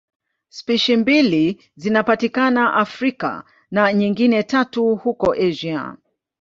Spishi mbili zinapatikana Afrika na nyingine tatu huko Asia.